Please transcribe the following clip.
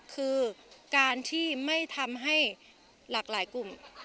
คือการที่ไม่ทำให้หลากหลายกลุ่ม